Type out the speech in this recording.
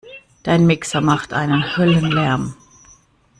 Dein Mixer macht einen Höllenlärm!